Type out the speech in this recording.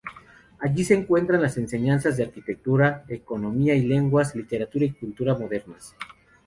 Allí se encuentran las enseñanzas de Arquitectura, Economía y Lenguas, Literatura y Culturas Modernas.